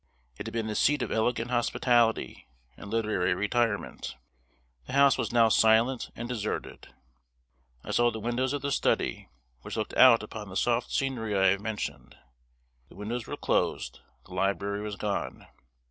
It had been the seat of elegant hospitality and literary retirement. The house was now silent and deserted. I saw the windows of the study, which looked out upon the soft scenery I have mentioned. The windows were closed the library was gone.